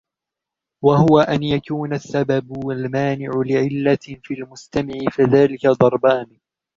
وَهُوَ أَنْ يَكُونَ السَّبَبُ الْمَانِعُ لِعِلَّةٍ فِي الْمُسْتَمِعِ فَذَلِكَ ضَرْبَانِ